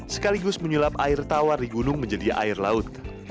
sekaligus menyulap air tawar di gunung menjadi air laut